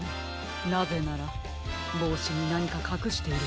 なぜならぼうしになにかかくしているからでは？